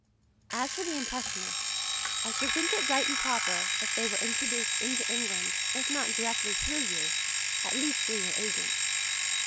As for the Impressionists, I should think it right and proper if they were introduced into England if not directly through you, at least through your agent.